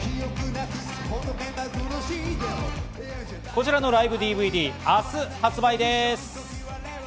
こちらのライブＤＶＤ、明日発売です。